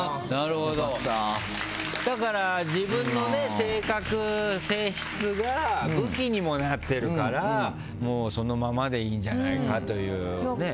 だから自分の性格、性質が武器にもなってるからもうそのままでいいんじゃないかというね。